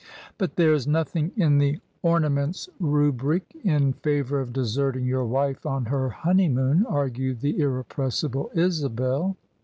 ' "But there is nothing in the Ornaments' Rubric in favour of deserting your wife on her honeymoon," argued the irrepressible Isabel.